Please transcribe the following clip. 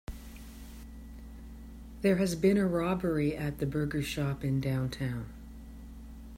There has been a robbery at the burger shop in downtown.